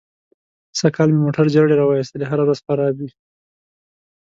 سږ کال مې موټر جرړې را و ایستلې. هره ورځ خراب وي.